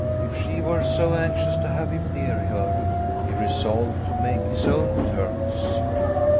If she were so anxious to have him near her, he resolved to make his own terms.